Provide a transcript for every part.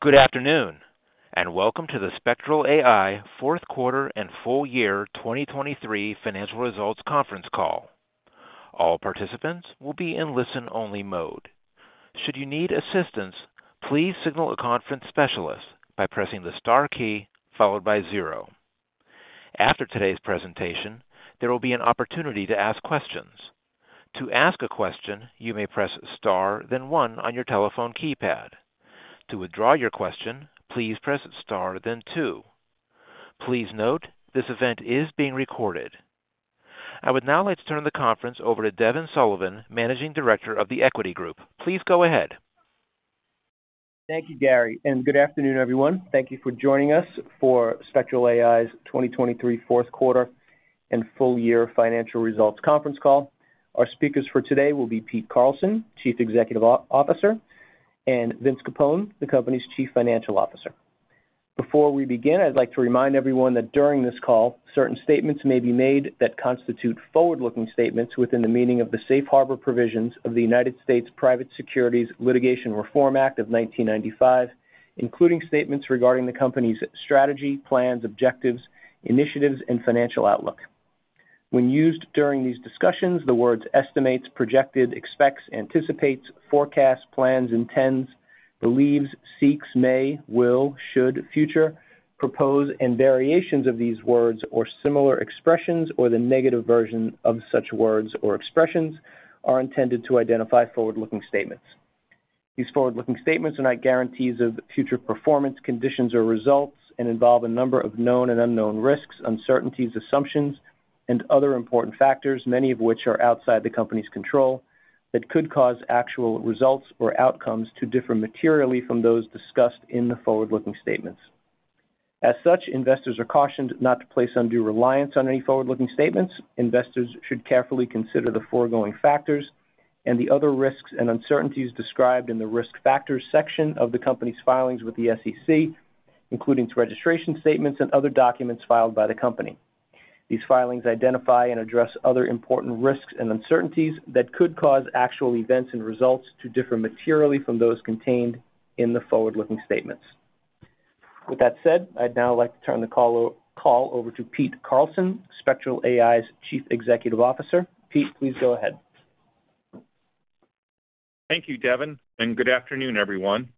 Good afternoon and welcome to the Spectral AI fourth quarter and full year 2023 financial results conference call. All participants will be in listen-only mode. Should you need assistance, please signal a conference specialist by pressing the star key followed by zero. After today's presentation, there will be an opportunity to ask questions. To ask a question, you may press star then one on your telephone keypad. To withdraw your question, please press star then two. Please note, this event is being recorded. I would now like to turn the conference over to Devin Sullivan, Managing Director of The Equity Group. Please go ahead. Thank you, Gary, and good afternoon, everyone. Thank you for joining us for Spectral AI's 2023 fourth quarter and full year financial results conference call. Our speakers for today will be Pete Carlson, Chief Executive Officer, and Vince Capone, the company's Chief Financial Officer. Before we begin, I'd like to remind everyone that during this call, certain statements may be made that constitute forward-looking statements within the meaning of the Safe Harbor provisions of the United States Private Securities Litigation Reform Act of 1995, including statements regarding the company's strategy, plans, objectives, initiatives, and financial outlook. When used during these discussions, the words estimates, projected, expects, anticipates, forecast, plans, intends, believes, seeks, may, will, should, future, propose, and variations of these words or similar expressions or the negative version of such words or expressions are intended to identify forward-looking statements. These forward-looking statements are not guarantees of future performance, conditions, or results, and involve a number of known and unknown risks, uncertainties, assumptions, and other important factors, many of which are outside the company's control, that could cause actual results or outcomes to differ materially from those discussed in the forward-looking statements. As such, investors are cautioned not to place undue reliance on any forward-looking statements. Investors should carefully consider the foregoing factors and the other risks and uncertainties described in the risk factors section of the company's filings with the SEC, including its registration statements and other documents filed by the company. These filings identify and address other important risks and uncertainties that could cause actual events and results to differ materially from those contained in the forward-looking statements. With that said, I'd now like to turn the call over to Pete Carlson, Spectral AI's Chief Executive Officer. Pete, please go ahead. Thank you, Devin, and good afternoon, everyone.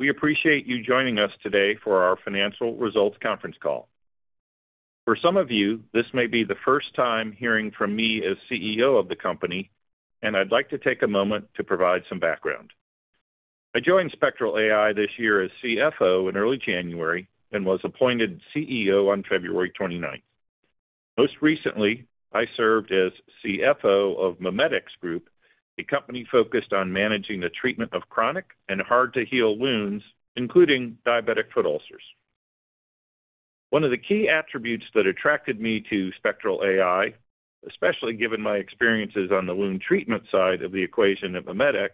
We appreciate you joining us today for our financial results conference call. For some of you, this may be the first time hearing from me as CEO of the company, and I'd like to take a moment to provide some background. I joined Spectral AI this year as CFO in early January and was appointed CEO on February 29th. Most recently, I served as CFO of MiMedx Group, a company focused on managing the treatment of chronic and hard-to-heal wounds, including diabetic foot ulcers. One of the key attributes that attracted me to Spectral AI, especially given my experiences on the wound treatment side of the equation at MiMedx,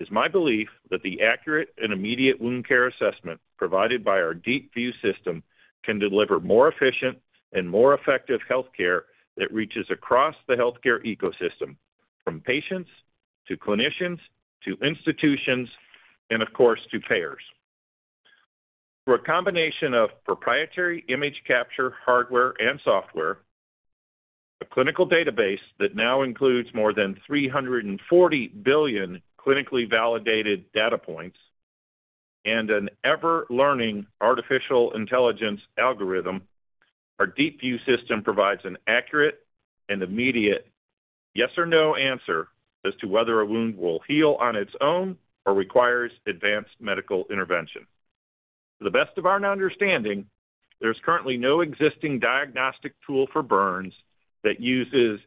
is my belief that the accurate and immediate wound care assessment provided by our DeepView system can deliver more efficient and more effective healthcare that reaches across the healthcare ecosystem, from patients to clinicians to institutions and, of course, to payers. Through a combination of proprietary image capture hardware and software, a clinical database that now includes more than 340 billion clinically validated data points, and an ever-learning artificial intelligence algorithm, our DeepView system provides an accurate and immediate yes or no answer as to whether a wound will heal on its own or requires advanced medical intervention. To the best of our understanding, there's currently no existing diagnostic tool for burns that uses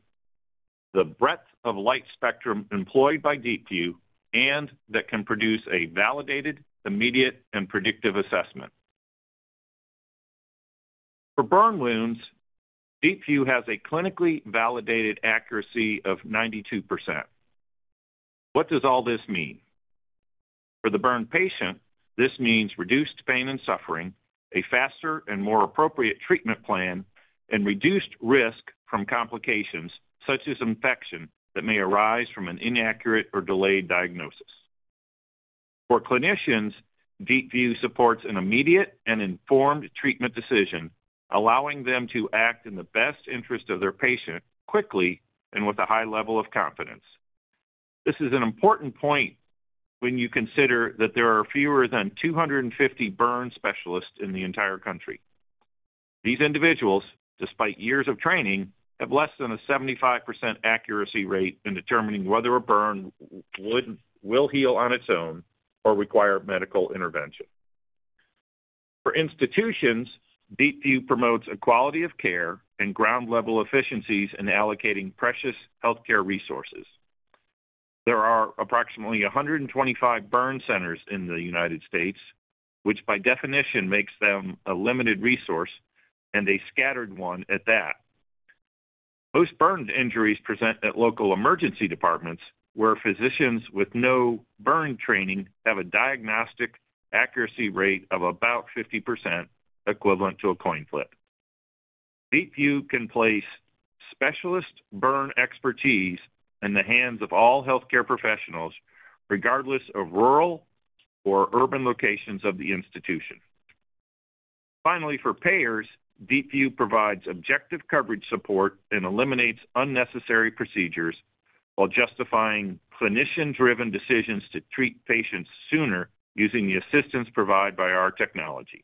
the breadth of light spectrum employed by DeepView and that can produce a validated, immediate, and predictive assessment. For burn wounds, DeepView has a clinically validated accuracy of 92%. What does all this mean? For the burn patient, this means reduced pain and suffering, a faster and more appropriate treatment plan, and reduced risk from complications such as infection that may arise from an inaccurate or delayed diagnosis. For clinicians, DeepView supports an immediate and informed treatment decision, allowing them to act in the best interest of their patient quickly and with a high level of confidence. This is an important point when you consider that there are fewer than 250 burn specialists in the entire country. These individuals, despite years of training, have less than a 75% accuracy rate in determining whether a burn will heal on its own or require medical intervention. For institutions, DeepView promotes a quality of care and ground-level efficiencies in allocating precious healthcare resources. There are approximately 125 burn centers in the United States, which by definition makes them a limited resource and a scattered one at that. Most burn injuries present at local emergency departments, where physicians with no burn training have a diagnostic accuracy rate of about 50% equivalent to a coin flip. DeepView can place specialist burn expertise in the hands of all healthcare professionals, regardless of rural or urban locations of the institution. Finally, for payers, DeepView provides objective coverage support and eliminates unnecessary procedures while justifying clinician-driven decisions to treat patients sooner using the assistance provided by our technology.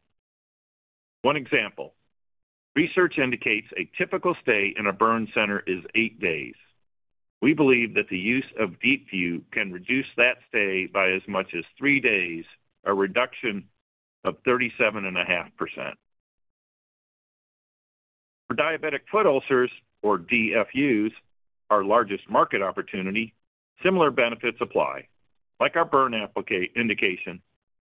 One example: research indicates a typical stay in a burn center is 8 days. We believe that the use of DeepView can reduce that stay by as much as 3 days, a reduction of 37.5%. For diabetic foot ulcers, or DFUs, our largest market opportunity, similar benefits apply. Like our burn indication,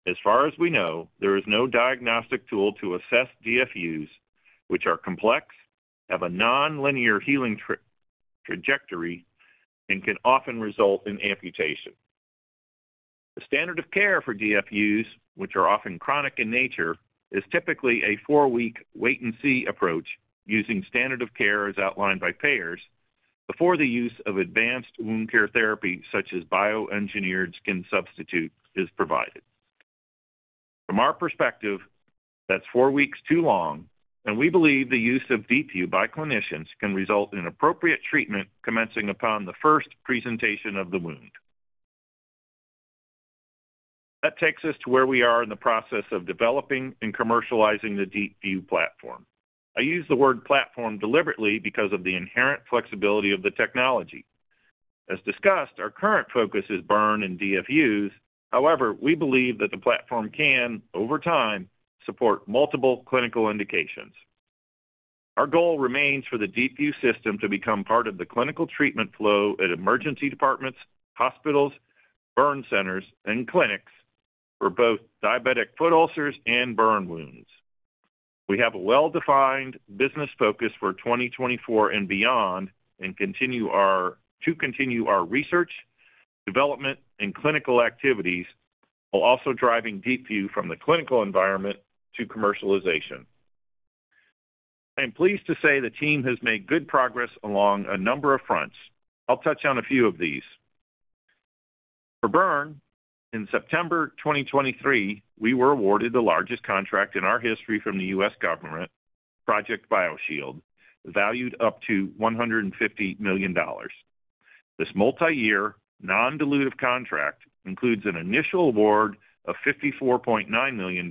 as far as we know, there is no diagnostic tool to assess DFUs, which are complex, have a nonlinear healing trajectory, and can often result in amputation. The standard of care for DFUs, which are often chronic in nature, is typically a 4-week wait-and-see approach using standard of care as outlined by payers before the use of advanced wound care therapy such as bioengineered skin substitute is provided. From our perspective, that's 4 weeks too long, and we believe the use of DeepView by clinicians can result in appropriate treatment commencing upon the first presentation of the wound. That takes us to where we are in the process of developing and commercializing the DeepView platform. I use the word platform deliberately because of the inherent flexibility of the technology. As discussed, our current focus is burn and DFUs. However, we believe that the platform can, over time, support multiple clinical indications. Our goal remains for the DeepView system to become part of the clinical treatment flow at emergency departments, hospitals, burn centers, and clinics for both diabetic foot ulcers and burn wounds. We have a well-defined business focus for 2024 and beyond and continue our research, development, and clinical activities while also driving DeepView from the clinical environment to commercialization. I am pleased to say the team has made good progress along a number of fronts. I'll touch on a few of these. For burn, in September 2023, we were awarded the largest contract in our history from the U.S. government, Project BioShield, valued up to $150 million. This multi-year, non-dilutive contract includes an initial award of $54.9 million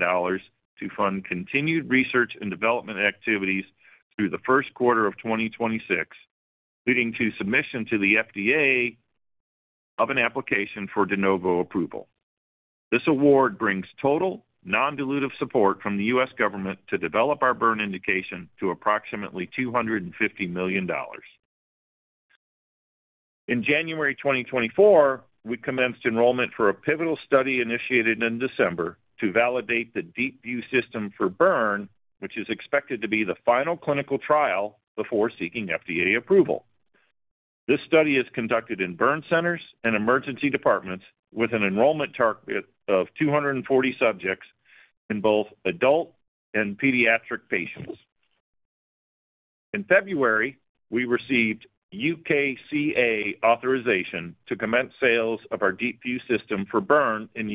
to fund continued research and development activities through the first quarter of 2026, leading to submission to the FDA of an application for de novo approval. This award brings total non-dilutive support from the U.S. government to develop our burn indication to approximately $250 million. In January 2024, we commenced enrollment for a pivotal study initiated in December to validate the DeepView system for burn, which is expected to be the final clinical trial before seeking FDA approval. This study is conducted in burn centers and emergency departments with an enrollment target of 240 subjects in both adult and pediatric patients. In February, we received UKCA authorization to commence sales of our DeepView system for burn in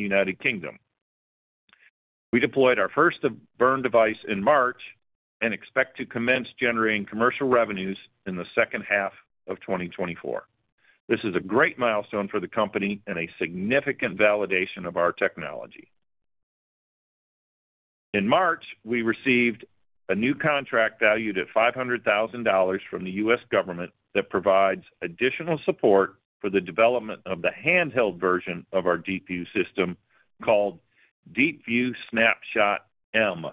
the United Kingdom. We deployed our first burn device in March and expect to commence generating commercial revenues in the second half of 2024. This is a great milestone for the company and a significant validation of our technology. In March, we received a new contract valued at $500,000 from the U.S. government that provides additional support for the development of the handheld version of our DeepView system called DeepView Snapshot M.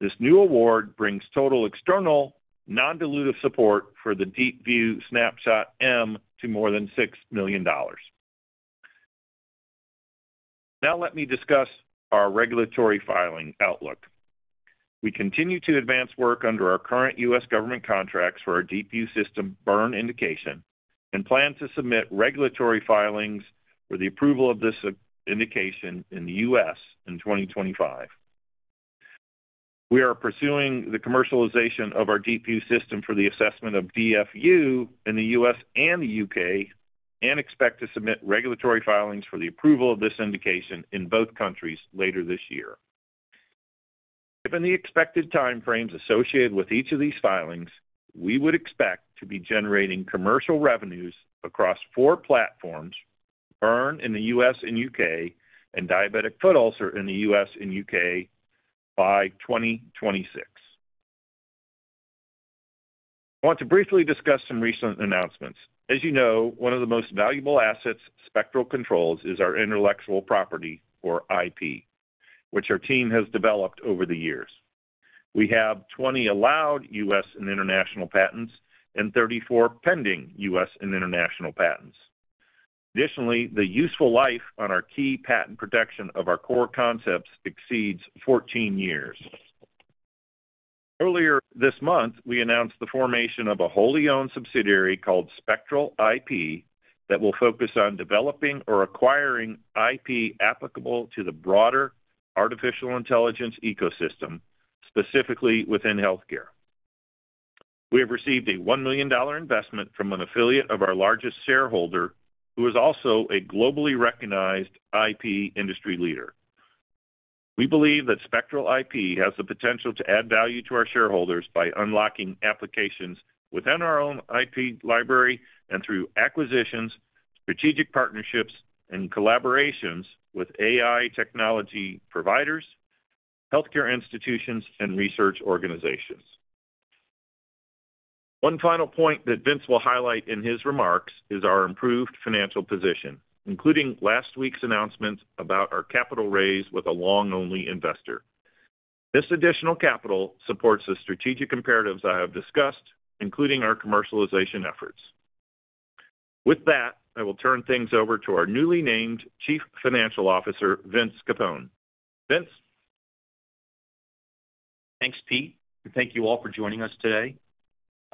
This new award brings total external, non-dilutive support for the DeepView Snapshot M to more than $6 million. Now let me discuss our regulatory filing outlook. We continue to advance work under our current U.S. government contracts for our DeepView system burn indication and plan to submit regulatory filings for the approval of this indication in the U.S. in 2025. We are pursuing the commercialization of our DeepView System for the assessment of DFU in the U.S. and the U.K. and expect to submit regulatory filings for the approval of this indication in both countries later this year. If in the expected time frames associated with each of these filings, we would expect to be generating commercial revenues across 4 platforms, burn in the U.S. and U.K., and diabetic foot ulcer in the U.S. and U.K. by 2026. I want to briefly discuss some recent announcements. As you know, one of the most valuable assets, Spectral IP, is our intellectual property, or IP, which our team has developed over the years. We have 20 allowed U.S. and international patents and 34 pending U.S. and international patents. Additionally, the useful life on our key patent protection of our core concepts exceeds 14 years. Earlier this month, we announced the formation of a wholly-owned subsidiary called Spectral IP that will focus on developing or acquiring IP applicable to the broader artificial intelligence ecosystem, specifically within healthcare. We have received a $1 million investment from an affiliate of our largest shareholder, who is also a globally recognized IP industry leader. We believe that Spectral IP has the potential to add value to our shareholders by unlocking applications within our own IP library and through acquisitions, strategic partnerships, and collaborations with AI technology providers, healthcare institutions, and research organizations. One final point that Vince will highlight in his remarks is our improved financial position, including last week's announcements about our capital raise with a long-only investor. This additional capital supports the strategic imperatives I have discussed, including our commercialization efforts. With that, I will turn things over to our newly named Chief Financial Officer, Vince Capone. Vince? Thanks, Pete, and thank you all for joining us today.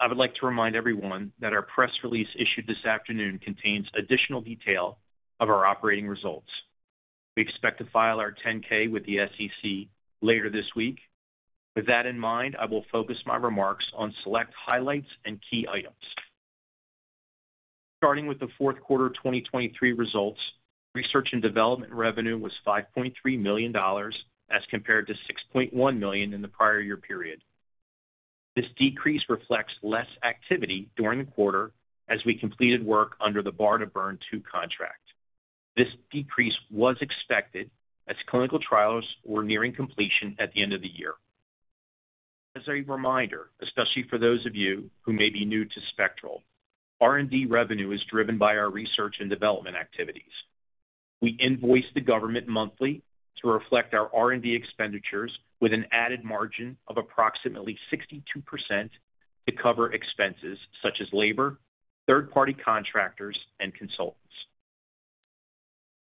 I would like to remind everyone that our press release issued this afternoon contains additional detail of our operating results. We expect to file our 10-K with the SEC later this week. With that in mind, I will focus my remarks on select highlights and key items. Starting with the fourth quarter 2023 results, research and development revenue was $5.3 million as compared to $6.1 million in the prior year period. This decrease reflects less activity during the quarter as we completed work under the BARDA Burn II contract. This decrease was expected as clinical trials were nearing completion at the end of the year. As a reminder, especially for those of you who may be new to Spectral, R&D revenue is driven by our research and development activities. We invoice the government monthly to reflect our R&D expenditures with an added margin of approximately 62% to cover expenses such as labor, third-party contractors, and consultants.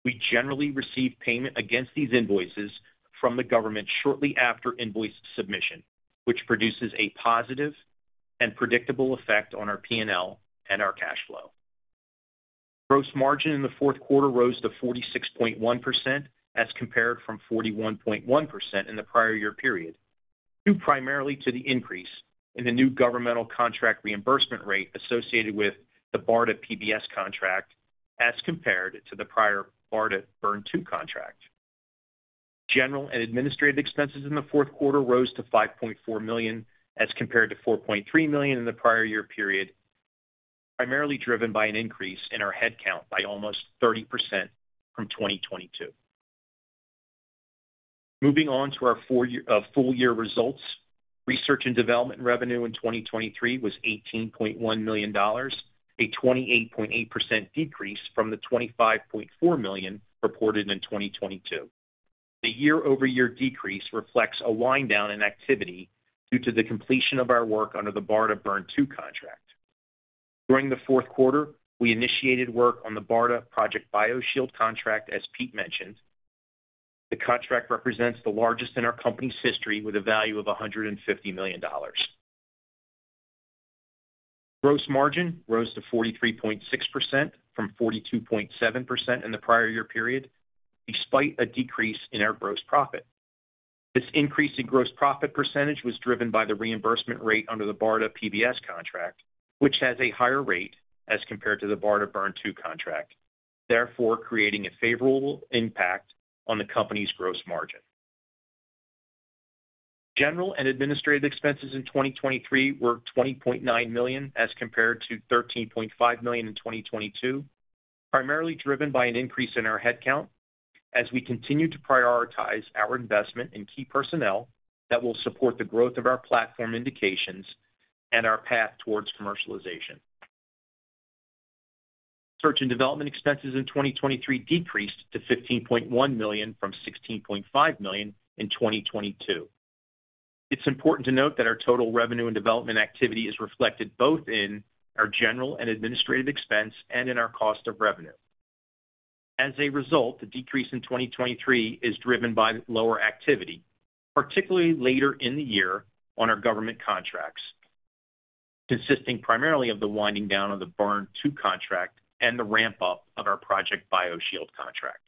We generally receive payment against these invoices from the government shortly after invoice submission, which produces a positive and predictable effect on our P&L and our cash flow. Gross margin in the fourth quarter rose to 46.1% as compared to 41.1% in the prior year period, due primarily to the increase in the new governmental contract reimbursement rate associated with the BARDA PBS contract as compared to the prior BARDA Burn II contract. General and administrative expenses in the fourth quarter rose to $5.4 million as compared to $4.3 million in the prior year period, primarily driven by an increase in our headcount by almost 30% from 2022. Moving on to our full-year results, research and development revenue in 2023 was $18.1 million, a 28.8% decrease from the $25.4 million reported in 2022. The year-over-year decrease reflects a wind-down in activity due to the completion of our work under the BARDA Burn II contract. During the fourth quarter, we initiated work on the BARDA Project BioShield contract, as Pete mentioned. The contract represents the largest in our company's history with a value of $150 million. Gross margin rose to 43.6% from 42.7% in the prior year period, despite a decrease in our gross profit. This increase in gross profit percentage was driven by the reimbursement rate under the BARDA PBS contract, which has a higher rate as compared to the BARDA Burn II contract, therefore creating a favorable impact on the company's gross margin. General and administrative expenses in 2023 were $20.9 million as compared to $13.5 million in 2022, primarily driven by an increase in our headcount as we continue to prioritize our investment in key personnel that will support the growth of our platform indications and our path towards commercialization. Research and development expenses in 2023 decreased to $15.1 million from $16.5 million in 2022. It's important to note that our total research and development activity is reflected both in our general and administrative expense and in our cost of revenue. As a result, the decrease in 2023 is driven by lower activity, particularly later in the year on our government contracts, consisting primarily of the winding down of the Burn II contract and the ramp-up of our Project BioShield contract.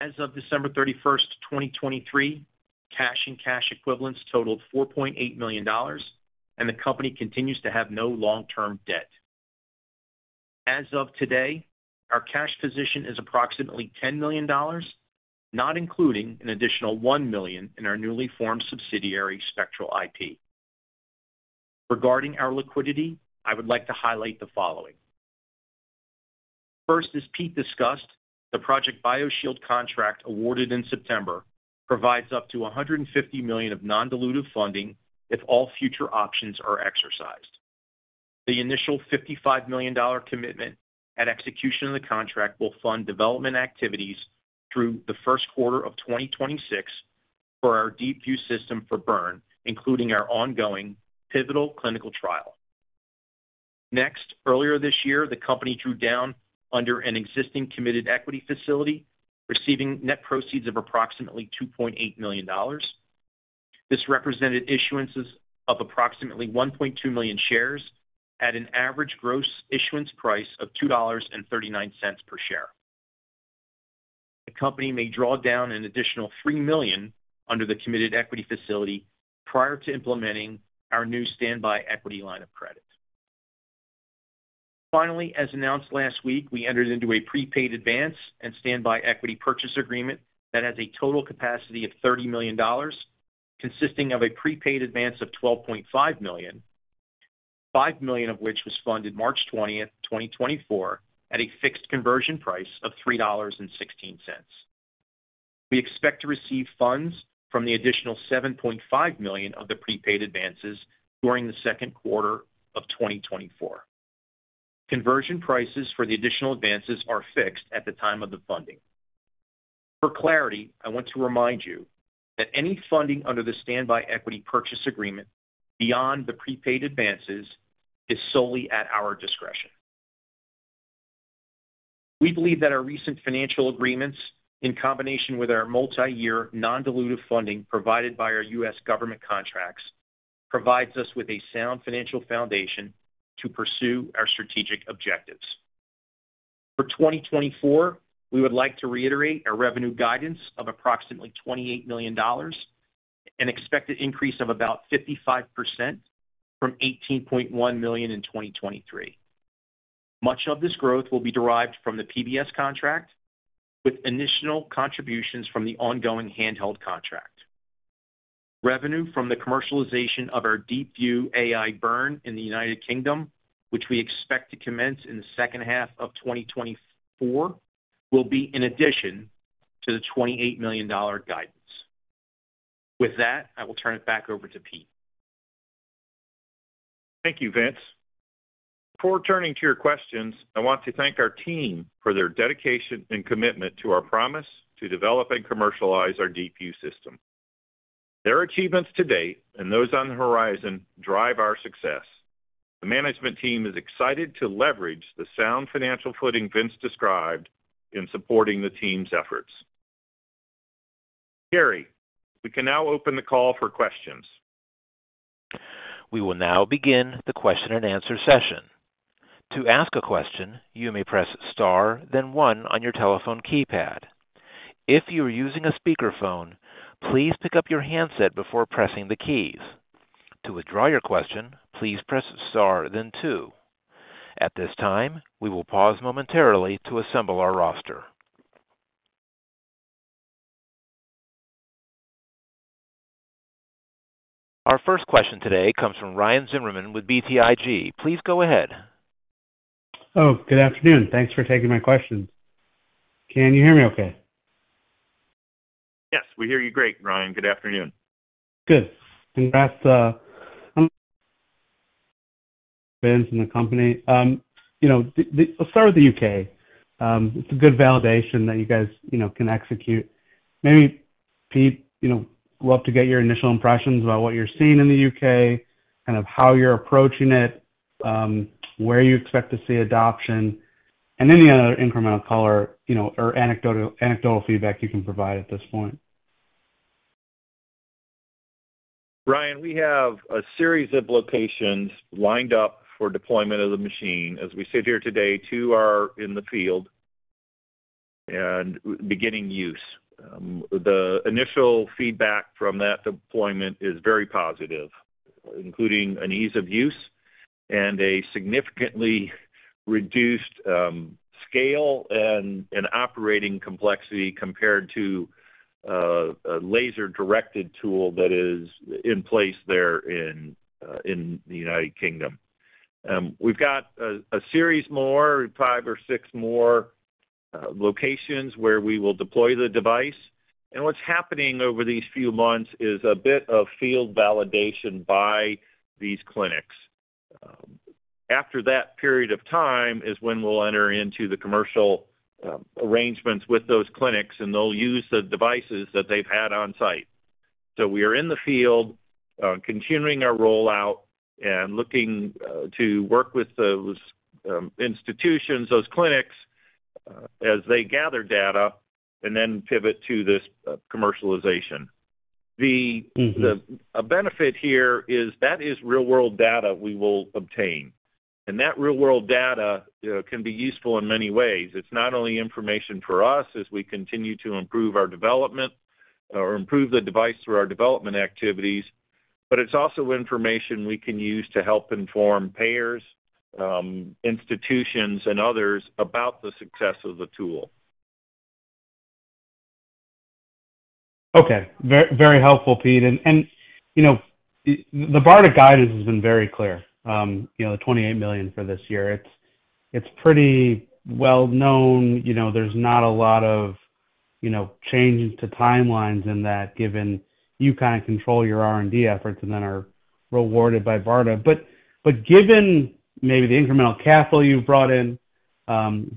As of December 31st, 2023, cash and cash equivalents totaled $4.8 million, and the company continues to have no long-term debt. As of today, our cash position is approximately $10 million, not including an additional $1 million in our newly-formed subsidiary Spectral IP. Regarding our liquidity, I would like to highlight the following. First, as Pete discussed, the Project BioShield contract awarded in September provides up to $150 million of non-dilutive funding if all future options are exercised. The initial $55 million commitment at execution of the contract will fund development activities through the first quarter of 2026 for our DeepView system for burn, including our ongoing pivotal clinical trial. Next, earlier this year, the company drew down under an existing committed equity facility, receiving net proceeds of approximately $2.8 million. This represented issuances of approximately 1.2 million shares at an average gross issuance price of $2.39 per share. The company may draw down an additional $3 million under the committed equity facility prior to implementing our new standby equity line of credit. Finally, as announced last week, we entered into a prepaid advance and standby equity purchase agreement that has a total capacity of $30 million, consisting of a prepaid advance of $12.5 million, $5 million of which was funded March 20th, 2024, at a fixed conversion price of $3.16. We expect to receive funds from the additional $7.5 million of the prepaid advances during the second quarter of 2024. Conversion prices for the additional advances are fixed at the time of the funding. For clarity, I want to remind you that any funding under the standby equity purchase agreement beyond the prepaid advances is solely at our discretion. We believe that our recent financial agreements, in combination with our multi-year non-dilutive funding provided by our U.S. government contracts, provide us with a sound financial foundation to pursue our strategic objectives. For 2024, we would like to reiterate our revenue guidance of approximately $28 million, an expected increase of about 55% from $18.1 million in 2023. Much of this growth will be derived from the PBS contract, with additional contributions from the ongoing handheld contract. Revenue from the commercialization of our DeepView AI Burn in the United Kingdom, which we expect to commence in the second half of 2024, will be in addition to the $28 million guidance. With that, I will turn it back over to Pete. Thank you, Vince. Before turning to your questions, I want to thank our team for their dedication and commitment to our promise to develop and commercialize our DeepView System. Their achievements to date and those on the horizon drive our success. The management team is excited to leverage the sound financial footing Vince described in supporting the team's efforts. Gary, we can now open the call for questions. We will now begin the question-and-answer session. To ask a question, you may press star, then 1 on your telephone keypad. If you are using a speakerphone, please pick up your handset before pressing the keys. To withdraw your question, please press star, then 2. At this time, we will pause momentarily to assemble our roster. Our first question today comes from Ryan Zimmerman with BTIG. Please go ahead. Oh, good afternoon. Thanks for taking my questions. Can you hear me okay? Yes, we hear you great, Ryan. Good afternoon. Good. Congrats, Vince, and the company. I'll start with the UK. It's a good validation that you guys can execute. Maybe, Pete, we'd love to get your initial impressions about what you're seeing in the UK, kind of how you're approaching it, where you expect to see adoption, and any other incremental color or anecdotal feedback you can provide at this point. Ryan, we have a series of locations lined up for deployment of the machine. As we sit here today, 2 are in the field and beginning use. The initial feedback from that deployment is very positive, including an ease of use and a significantly reduced scale and operating complexity compared to a laser-directed tool that is in place there in the United Kingdom. We've got a series more, 5 or 6 more locations where we will deploy the device. And what's happening over these few months is a bit of field validation by these clinics. After that period of time is when we'll enter into the commercial arrangements with those clinics, and they'll use the devices that they've had on site. So we are in the field, continuing our rollout, and looking to work with those institutions, those clinics, as they gather data and then pivot to this commercialization. A benefit here is that is real-world data we will obtain. That real-world data can be useful in many ways. It's not only information for us as we continue to improve our development or improve the device through our development activities, but it's also information we can use to help inform payers, institutions, and others about the success of the tool. Okay. Very helpful, Pete. And the BARDA guidance has been very clear, the $28 million for this year. It's pretty well-known. There's not a lot of changes to timelines in that, given you kind of control your R&D efforts and then are rewarded by BARDA. But given maybe the incremental capital you've brought in,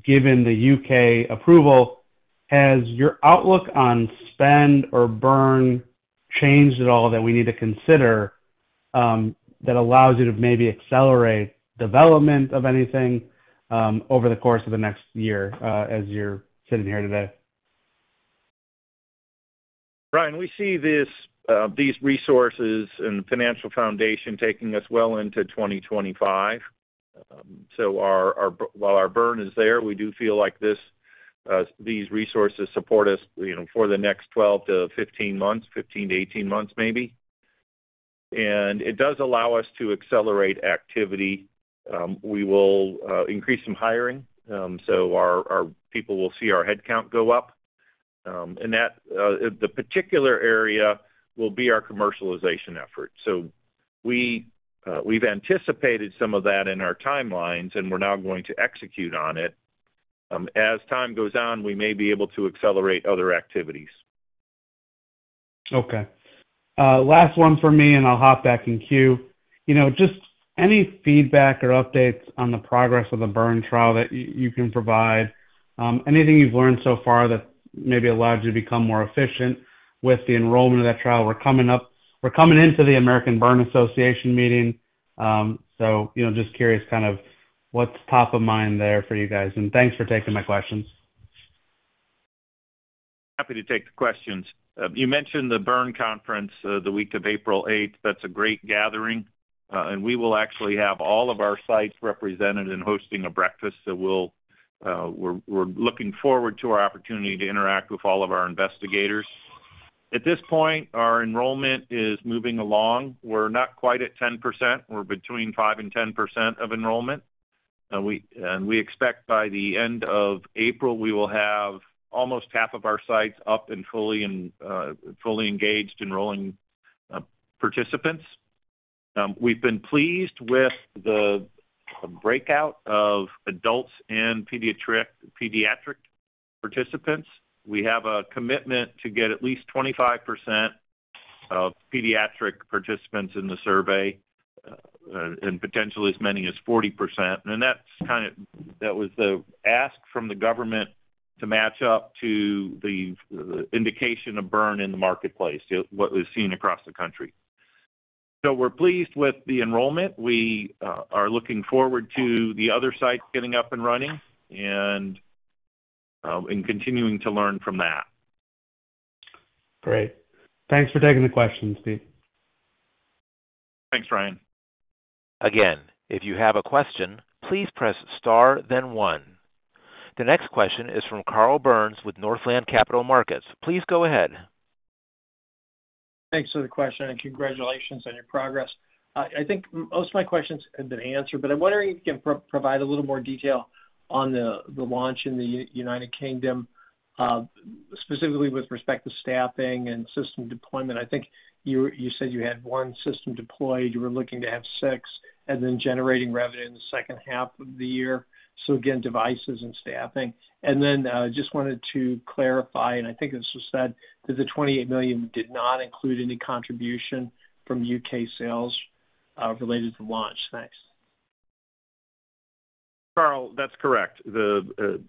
given the UK approval, has your outlook on spend or burn changed at all that we need to consider that allows you to maybe accelerate development of anything over the course of the next year as you're sitting here today? Ryan, we see these resources and the financial foundation taking us well into 2025. So while our burn is there, we do feel like these resources support us for the next 12 to 15 months, 15 to 18 months, maybe. And it does allow us to accelerate activity. We will increase some hiring, so our people will see our headcount go up. And the particular area will be our commercialization efforts. So we've anticipated some of that in our timelines, and we're now going to execute on it. As time goes on, we may be able to accelerate other activities. Okay. Last one from me, and I'll hop back in queue. Just any feedback or updates on the progress of the burn trial that you can provide, anything you've learned so far that maybe allowed you to become more efficient with the enrollment of that trial. We're coming into the American Burn Association meeting, so just curious kind of what's top of mind there for you guys. And thanks for taking my questions. Happy to take the questions. You mentioned the burn conference the week of April 8th. That's a great gathering. And we will actually have all of our sites represented and hosting a breakfast. So we're looking forward to our opportunity to interact with all of our investigators. At this point, our enrollment is moving along. We're not quite at 10%. We're between 5% and 10% of enrollment. And we expect by the end of April, we will have almost half of our sites up and fully engaged, enrolling participants. We've been pleased with the breakout of adults and pediatric participants. We have a commitment to get at least 25% of pediatric participants in the survey, and potentially as many as 40%. And that was the ask from the government to match up to the indication of burn in the marketplace, what was seen across the country. We're pleased with the enrollment. We are looking forward to the other sites getting up and running and continuing to learn from that. Great. Thanks for taking the questions, Pete. Thanks, Ryan. Again, if you have a question, please press star, then 1. The next question is from Carl Byrnes with Northland Capital Markets. Please go ahead. Thanks for the question, and congratulations on your progress. I think most of my questions have been answered, but I'm wondering if you can provide a little more detail on the launch in the United Kingdom, specifically with respect to staffing and system deployment. I think you said you had one system deployed. You were looking to have six and then generating revenue in the second half of the year. So again, devices and staffing. And then just wanted to clarify, and I think this was said, that the $28 million did not include any contribution from UK sales related to launch. Thanks. Carl, that's correct. The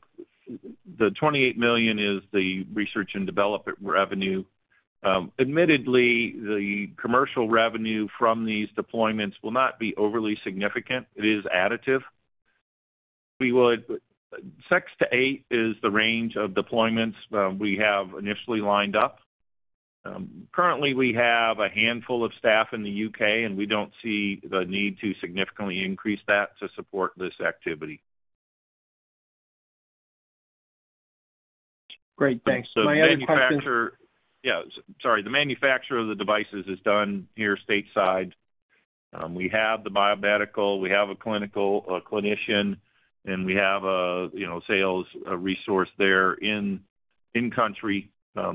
$28 million is the research and development revenue. Admittedly, the commercial revenue from these deployments will not be overly significant. It is additive. 6-8 is the range of deployments we have initially lined up. Currently, we have a handful of staff in the UK, and we don't see the need to significantly increase that to support this activity. Great. Thanks. My other questions. Yeah. Sorry. The manufacturer of the devices is done here stateside. We have the biomedical. We have a clinician, and we have a sales resource there in-country.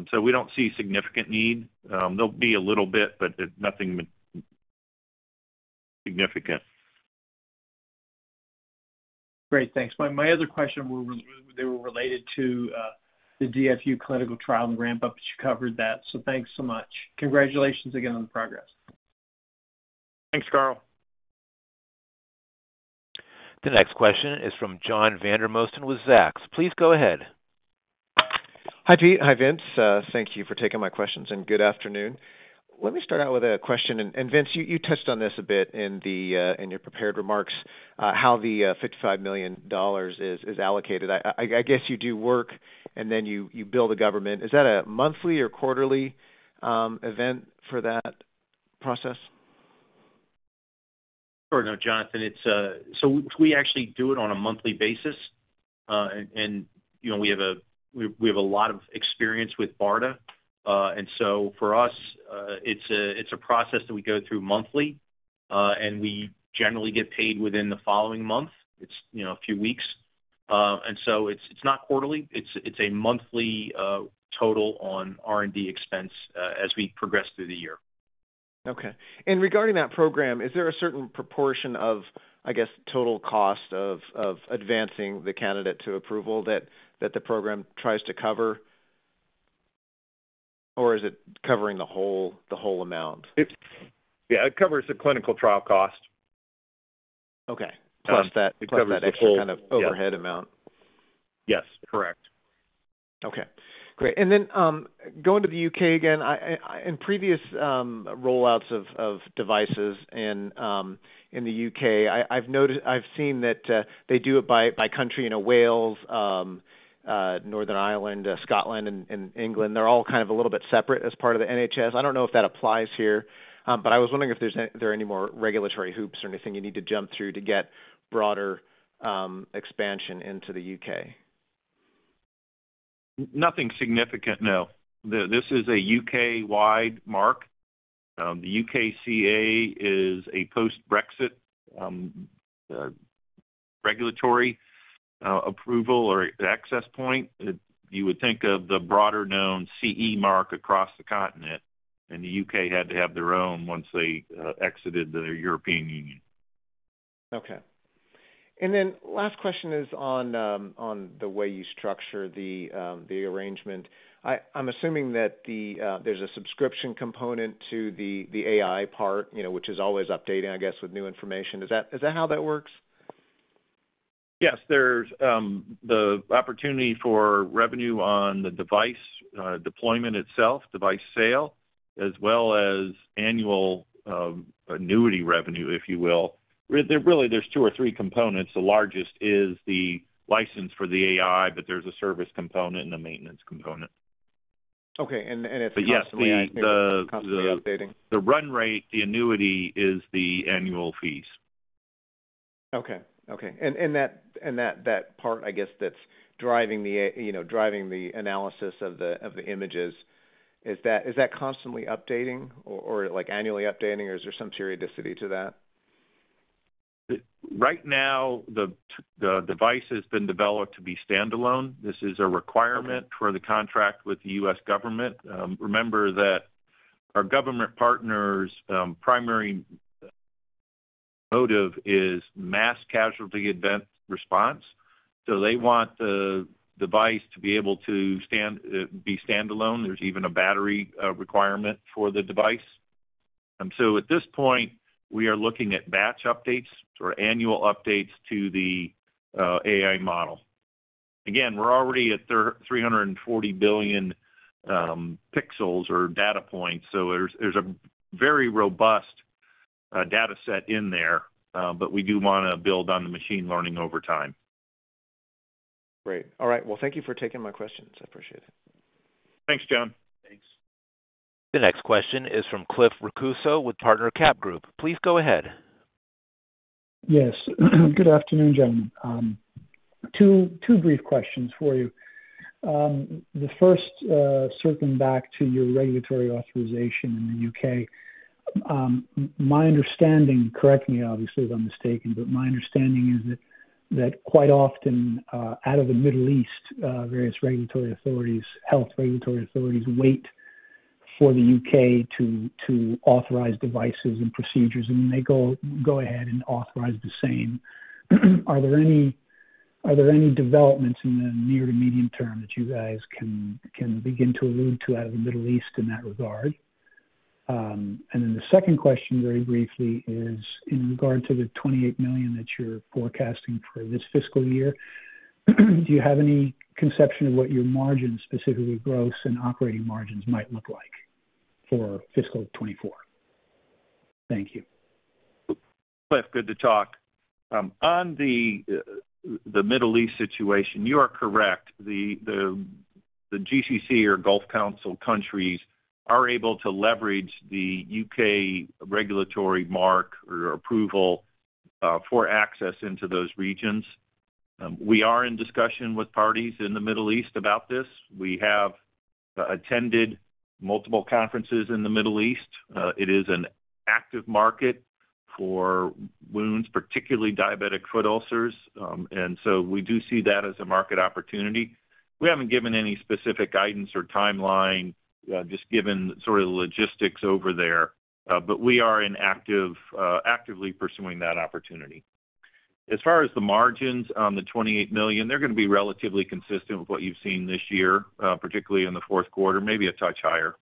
So we don't see significant need. There'll be a little bit, but nothing significant. Great. Thanks. My other question, they were related to the DFU clinical trial and ramp-up, but you covered that. So thanks so much. Congratulations again on the progress. Thanks, Carl. The next question is from John Vandermosten with Zacks. Please go ahead. Hi, Pete. Hi, Vince. Thank you for taking my questions, and good afternoon. Let me start out with a question. Vince, you touched on this a bit in your prepared remarks, how the $55 million is allocated. I guess you do work, and then you bill the government. Is that a monthly or quarterly event for that process? Sure. No, Jonathan. So we actually do it on a monthly basis. And we have a lot of experience with BARDA. And so for us, it's a process that we go through monthly, and we generally get paid within the following month. It's a few weeks. And so it's not quarterly. It's a monthly total on R&D expense as we progress through the year. Okay. And regarding that program, is there a certain proportion of, I guess, total cost of advancing the candidate to approval that the program tries to cover? Or is it covering the whole amount? Yeah. It covers the clinical trial cost. Okay. Plus that extra kind of overhead amount. Yes. Correct. Okay. Great. And then going to the UK again, in previous rollouts of devices in the UK, I've seen that they do it by country in Wales, Northern Ireland, Scotland, and England. They're all kind of a little bit separate as part of the NHS. I don't know if that applies here, but I was wondering if there are any more regulatory hoops or anything you need to jump through to get broader expansion into the UK? Nothing significant, no. This is a UK-wide mark. The UKCA is a post-Brexit regulatory approval or access point. You would think of the broader known CE mark across the continent. The UK had to have their own once they exited the European Union. Okay. And then last question is on the way you structure the arrangement. I'm assuming that there's a subscription component to the AI part, which is always updating, I guess, with new information. Is that how that works? Yes. There's the opportunity for revenue on the device deployment itself, device sale, as well as annual annuity revenue, if you will. Really, there's two or three components. The largest is the license for the AI, but there's a service component and a maintenance component. Okay. And it's constantly updating. Yes. The run rate, the annuity is the annual fees. Okay. Okay. And that part, I guess, that's driving the analysis of the images, is that constantly updating or annually updating, or is there some periodicity to that? Right now, the device has been developed to be standalone. This is a requirement for the contract with the U.S. government. Remember that our government partner's primary motive is mass casualty event response. So they want the device to be able to be standalone. There's even a battery requirement for the device. And so at this point, we are looking at batch updates or annual updates to the AI model. Again, we're already at 340 billion pixels or data points. So there's a very robust dataset in there, but we do want to build on the machine learning over time. Great. All right. Well, thank you for taking my questions. I appreciate it. Thanks, John. Thanks. The next question is from Cliff Rocuso with Partner CapGroup. Please go ahead. Yes. Good afternoon, gentlemen. Two brief questions for you. The first, circling back to your regulatory authorization in the UK, my understanding correct me, obviously, if I'm mistaken, but my understanding is that quite often, out of the Middle East, various regulatory authorities, health regulatory authorities, wait for the UK to authorize devices and procedures. And then they go ahead and authorize the same. Are there any developments in the near to medium term that you guys can begin to allude to out of the Middle East in that regard? And then the second question, very briefly, is in regard to the $28 million that you're forecasting for this fiscal year, do you have any conception of what your margins, specifically gross and operating margins, might look like for fiscal 2024? Thank you. Cliff, good to talk. On the Middle East situation, you are correct. The GCC or Gulf Council countries are able to leverage the UK regulatory mark or approval for access into those regions. We are in discussion with parties in the Middle East about this. We have attended multiple conferences in the Middle East. It is an active market for wounds, particularly diabetic foot ulcers. And so we do see that as a market opportunity. We haven't given any specific guidance or timeline, just given sort of the logistics over there. But we are actively pursuing that opportunity. As far as the margins on the $28 million, they're going to be relatively consistent with what you've seen this year, particularly in the fourth quarter, maybe a touch higher.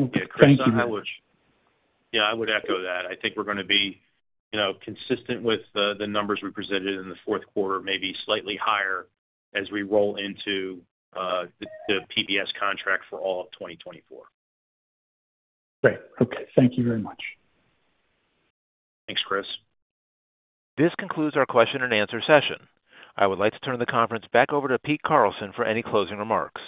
Okay. Thank you. Yeah. I would echo that. I think we're going to be consistent with the numbers we presented in the fourth quarter, maybe slightly higher as we roll into the PBS contract for all of 2024. Great. Okay. Thank you very much. Thanks, Chris. This concludes our question-and-answer session. I would like to turn the conference back over to Pete Carlson for any closing remarks.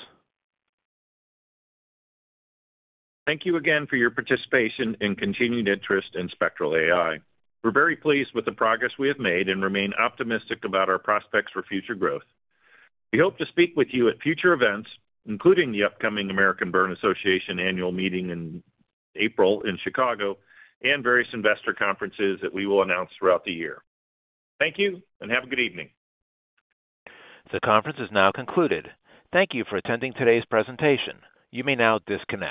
Thank you again for your participation and continued interest in Spectral AI. We're very pleased with the progress we have made and remain optimistic about our prospects for future growth. We hope to speak with you at future events, including the upcoming American Burn Association annual meeting in April in Chicago and various investor conferences that we will announce throughout the year. Thank you, and have a good evening. The conference is now concluded. Thank you for attending today's presentation. You may now disconnect.